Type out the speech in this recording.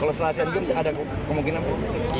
kalau setelah asian games ada kemungkinan bu